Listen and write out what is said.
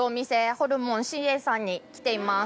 ホルモン伸栄さんに来ています。